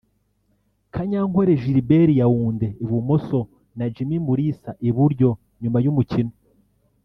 Kanyankore Gilbert Yaounde (ibumoso) na Jimmy Mulisa (iburyo) nyuma y'umukino